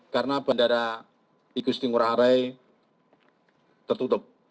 karena bandara lombok di gusti ngurah rai tertutup